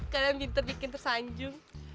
kalian minta bikin tersanjung